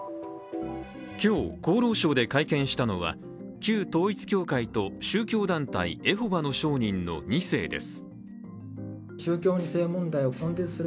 今日、厚労省で会見したのは旧統一教会と宗教団体エホバの証人の２世です。